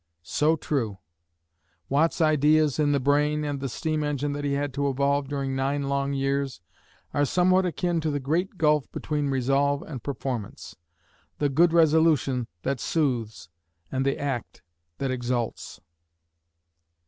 So true! Watt's ideas in the brain, and the steam engine that he had to evolve during nine long years, are somewhat akin to the great gulf between resolve and performance, the "good resolution" that soothes and the "act" that exalts.